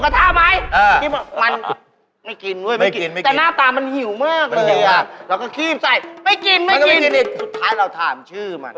อย่างนั้นเราถามชื่อมัน